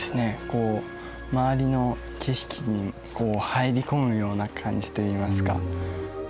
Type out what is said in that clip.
こう周りの景色に入り込むような感じといいますか。